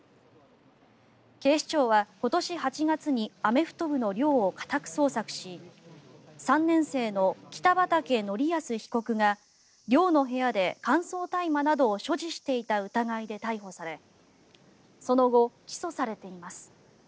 警視庁は今年８月にアメフト部の寮を家宅捜索し３年生の北畠成文被告が寮の部屋で乾燥大麻などを所持していた疑いで逮捕されその後、起訴されています。